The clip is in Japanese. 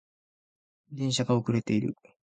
電車が遅れている